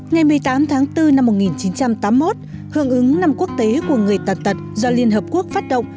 ngày một mươi tám tháng bốn năm một nghìn chín trăm tám mươi một hưởng ứng năm quốc tế của người tàn tật do liên hợp quốc phát động